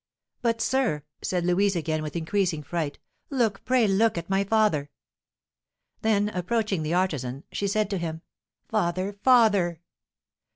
"But, sir," said Louise again, with increasing fright, "look, pray look at my father!" Then, approaching the artisan, she said to him: "Father! father!"